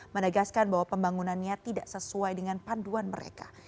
menegaskan bahwa pembangunannya tidak sesuai dengan panduan mereka